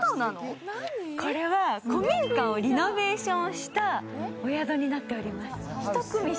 これは古民家をリノベーションしたお宿になっております。